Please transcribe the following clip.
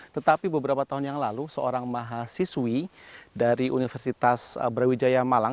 tetapi beberapa tahun yang lalu seorang mahasiswi dari universitas brawijaya malang